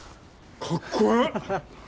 かっこええ。